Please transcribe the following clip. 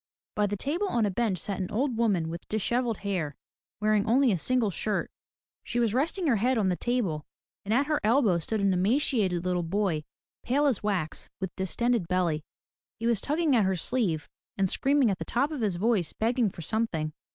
By the table on a bench sat an old woman with dishevelled hair, wearing only a single shirt. She was resting her head on the table, and at her elbow stood an emaciated little boy, pale as wax, with distended belly. He was tugging at her sleeve, and screaming at the top of his voice begging for something.